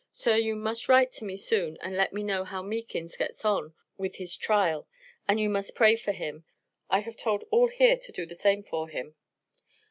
Sir, you must write to me soon and let me know how Meakins gets on with his tryal, and you must pray for him, I have told all here to do the same for him.